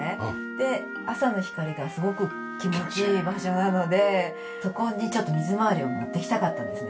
で朝の光がすごく気持ちいい場所なのでそこにちょっと水回りを持ってきたかったんですね。